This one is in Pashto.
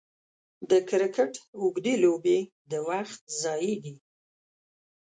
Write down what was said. د کرکټ اوږدې لوبې د وخت ضايع دي.